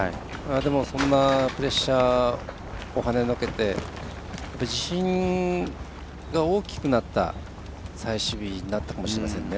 でも、そんなプレッシャーをはねのけて自信が大きくなった最終日になったかもしれませんね。